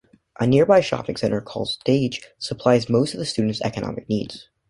A nearby shopping centre called "Stage" supplies most of the students' economic needs.